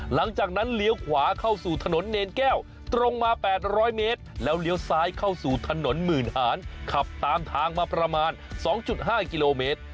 หลังจากนั้นเหลวขวาเข้าสู่ถนนเนรแก้วตรงมาแปดร้อยเมตรแล้วเหลวซ้ายเข้าสู่ถนนหมื่นหาญขับตามทางมาประมาณสองจุดห้ากิโลเมตร